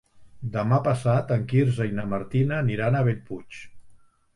Demà passat en Quirze i na Martina aniran a Bellpuig.